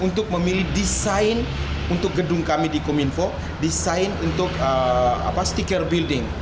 untuk memilih desain untuk gedung kami di kominfo desain untuk stiker building